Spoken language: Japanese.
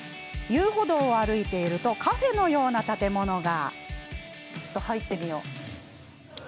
遊歩道を歩いているとカフェのような建物が。